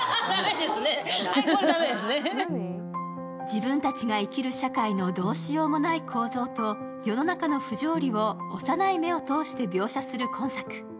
自分たちが生きる社会のどうしようもない構造と世の中の不条理を幼い目を通して描写する今作。